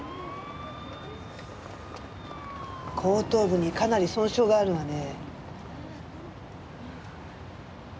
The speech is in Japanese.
後頭部にかなり損傷があるわね。